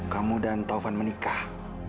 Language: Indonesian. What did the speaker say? kamu dan taufan menikah